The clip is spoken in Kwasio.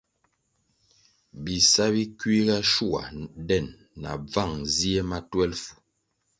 Bisa bi kiuga shua den na bvan zie ma twelfu.